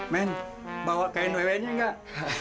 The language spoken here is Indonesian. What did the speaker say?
men bawa kain wewe nya nggak